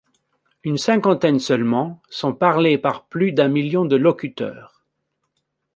Une cinquantaine seulement sont parlées par plus d'un million de locuteurs.